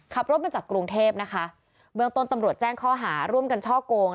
ขับรถมาจากกรุงเทพนะคะเบื้องต้นตำรวจแจ้งข้อหาร่วมกันช่อโกง